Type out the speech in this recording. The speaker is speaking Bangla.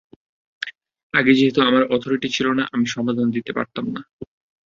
আগে যেহেতু আমার অথরিটি ছিল না, আমি সমাধান দিতে পারতাম না।